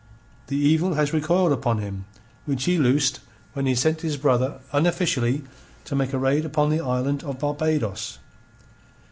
The evil has recoiled upon him which he loosed when he sent his brother unofficially to make a raid upon the island of Barbados.